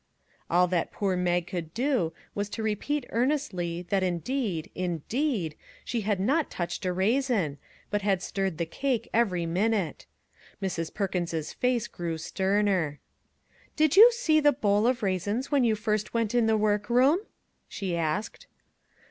All that poor Mag could do was to repeat earnestly that indeed, indeed, she had not touched a raisin, but had stirred the cake every minute. Mrs. Perkins's face grew sterner. " Did you see the bowl of raisins when you first went in the work room ?" she asked.